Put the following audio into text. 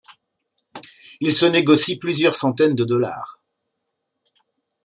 Il se négocie plusieurs centaines de Dollars.